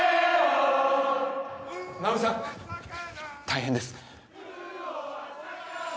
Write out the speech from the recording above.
奈緒美さん大変です。